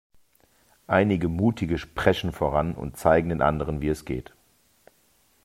Einige Mutige preschen voran und zeigen den anderen, wie es geht.